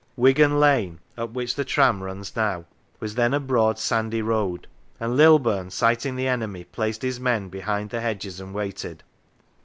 Wigan Lane, up which the tram runs now, was then a broad sandy road, and Lilburne, sighting the enemy, placed his men behind the hedges and waited.